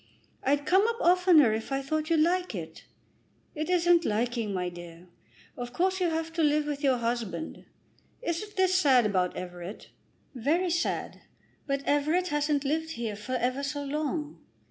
"I'd come up oftener if I thought you'd like it." "It isn't liking, my dear. Of course you have to live with your husband. Isn't this sad about Everett?" "Very sad. But Everett hasn't lived here for ever so long."